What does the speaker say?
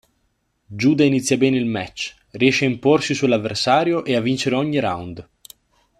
Judah inizia bene il match: riesce a imporsi sull'avversario e a vincere ogni round.